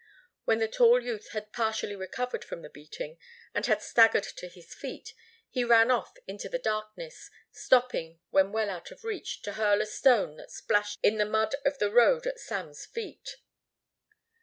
When the tall youth had partially recovered from the beating and had staggered to his feet, he ran off into the darkness, stopping when well out of reach to hurl a stone that splashed in the mud of the road at Sam's feet.